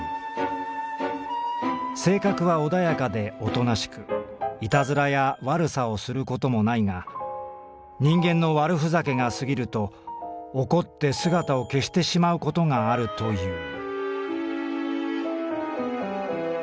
性格は穏やかで大人しくいたずらや悪さをすることもないが人間の悪ふざけが過ぎると怒って姿を消してしまうことがあるという」。